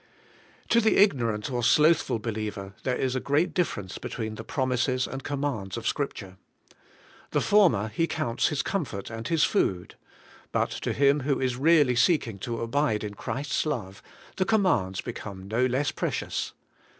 To the ignorant or slothful believer there is a great diiference between the promises and commands of Scripture. The former he counts his comfort and his food; but to him who is really seeking to abide in Christ's love, the commands become no less pre cious.